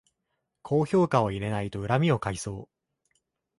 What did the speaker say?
高評価を入れないと恨みを買いそう